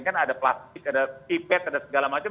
kan ada plastik ada pipet ada segala macam